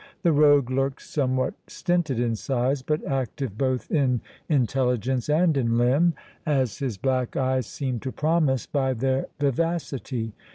The rogue looked somewhat stinted in size, but active both in intelligence and in limb, as his black eyes seemed to promise by their vivacity.